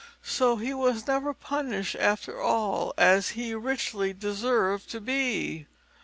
So he was never punished after all, as he richly deserved to be.